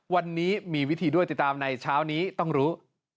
วันนี้มีวิธีด้วยติดตามในเช้านี้ต้องรู้